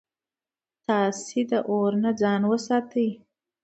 تاسي د اور نه ځان وساتئ